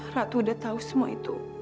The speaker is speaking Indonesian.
ratu udah tahu semua itu